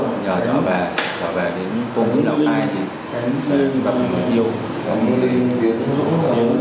gặp người yêu gặp người yêu